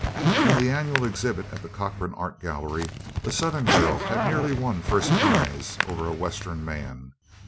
In the annual exhibit of the Corcoran Art Gallery, a Southern girl had nearly won first prize over a Western man.